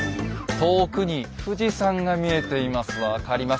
遠くに富士山が見えています。